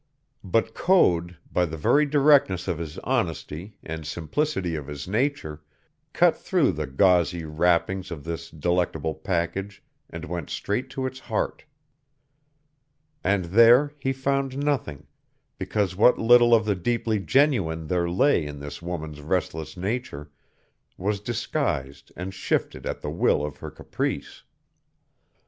But Code, by the very directness of his honesty, and simplicity of his nature, cut through the gauzy wrappings of this delectable package and went straight to its heart. And there he found nothing, because what little of the deeply genuine there lay in this woman's restless nature was disguised and shifted at the will of her caprice.